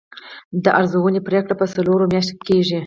د ارزونې پریکړه په څلورو میاشتو کې کیږي.